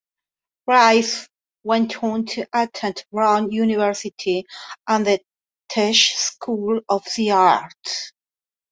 Rice went on to attend Brown University and the Tisch School of the Arts.